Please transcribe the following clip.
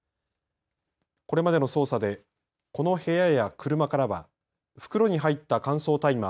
これまでの捜査でこの部屋や車からは袋に入った乾燥大麻